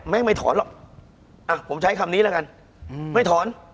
ไม่ถอนหรอกผมใช้คำนี้แล้วกันไม่ถอน